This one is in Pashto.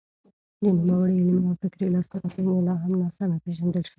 د نوموړي علمي او فکري لاسته راوړنې لا هم ناسمې پېژندل شوې دي.